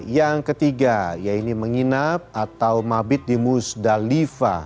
yang ketiga yaitu menginap atau mabit di musdalifah